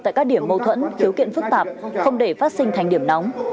tại các điểm mâu thuẫn khiếu kiện phức tạp không để phát sinh thành điểm nóng